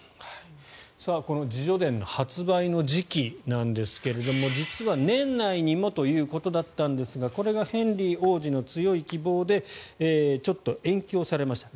この自叙伝の発売の時期なんですが実は、年内にもということだったんですがこれがヘンリー王子の強い希望でちょっと延期をされました